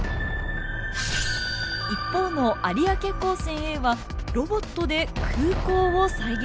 一方の有明高専Ａはロボットで空港を再現。